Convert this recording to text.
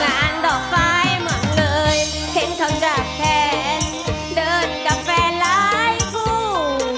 งานดอกไฟมันเลยเห็นเขาจากแผนเดินกับแฟนหลายผู้